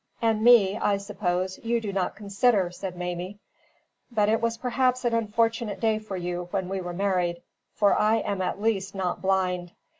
And me, I suppose, you do not consider," said Mamie. "But it was perhaps an unfortunate day for you when we were married, for I at least am not blind.